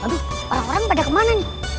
aduh orang orang pada kemana nih